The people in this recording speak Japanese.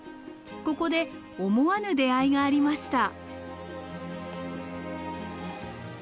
ここで思わぬ出会いがありました。